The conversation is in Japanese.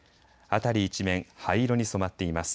辺り一面、灰色に染まっています。